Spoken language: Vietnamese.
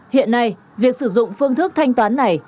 hiện nay việc sử dụng phương thức thanh toán này